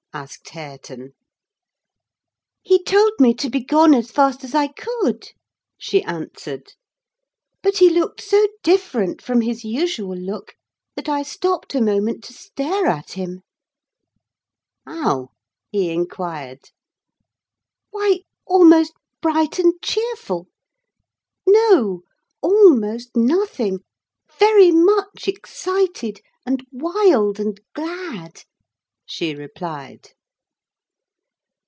asked Hareton. "He told me to begone as fast as I could," she answered. "But he looked so different from his usual look that I stopped a moment to stare at him." "How?" he inquired. "Why, almost bright and cheerful. No, almost nothing—very much excited, and wild, and glad!" she replied.